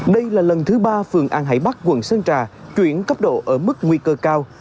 đây là lần thứ ba phường an hải bắc quận sơn trà chuyển cấp độ ở mức nguy cơ cao